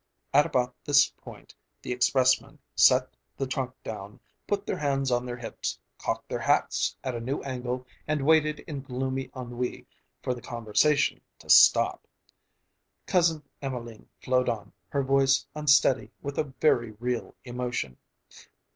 At about this point the expressmen set the trunk down, put their hands on their hips, cocked their hats at a new angle and waited in gloomy ennui for the conversation to stop. Cousin Emelene flowed on, her voice unsteady with a very real emotion.